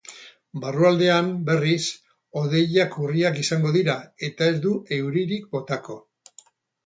Barrualdean, berriz, hodeiak urriak izango dira eta ez du euririk botako.